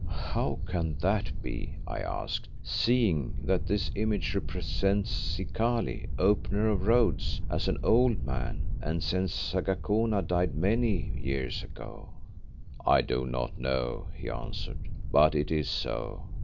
"How can that be?" I asked, "seeing that this image represents Zikali, Opener of Roads, as an old man, and Senzangacona died many years ago?" "I do not know," he answered, "but it is so.